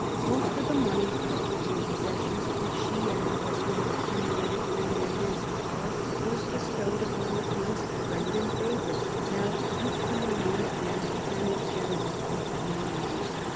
Most of the money, property, and possessions which she and her husband had accumulated during their years of power was bestowed upon the King's friend and favourite, now Due de Luynes and Lieutenant General of Normandy.